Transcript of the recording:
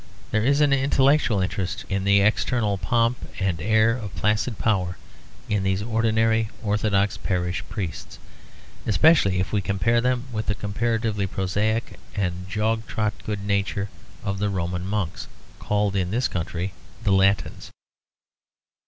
There is an intellectual interest in the external pomp and air of placid power in these ordinary Orthodox parish priests; especially if we compare them with the comparatively prosaic and jog trot good nature of the Roman monks, called in this country the Latins.